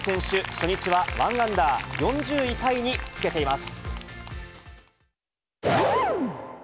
初日は１アンダー４０位タイにつけています。